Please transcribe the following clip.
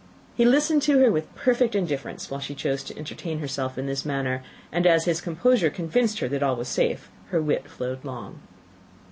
He listened to her with perfect indifference, while she chose to entertain herself in this manner; and as his composure convinced her that all was safe, her wit flowed along.